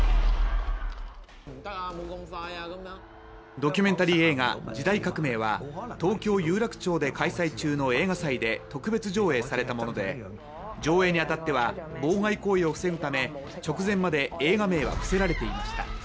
ドキュメンタリー映画「時代革命」は東京・有楽町で開催中の映画祭で特別上映されたもので、上映に当たっては、妨害行為を防ぐため直前まで映画名は伏せられていました。